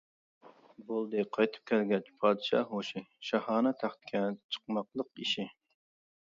بولدى قايتىپ كەلگەچ پادىشاھ ھوشى، شاھانە تەختكە چىقماقلىق ئىشى.